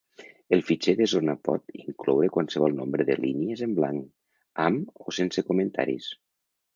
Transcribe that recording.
El fitxer de zona pot incloure qualsevol nombre de línies en blanc, amb o sense comentaris.